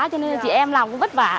cho nên chị em làm cũng vất vả